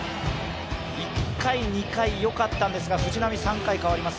１回、２回、よかったんですが、藤浪、変わります。